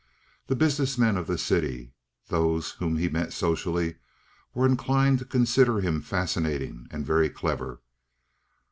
The business men of the city—those whom he met socially—were inclined to consider him fascinating and very clever.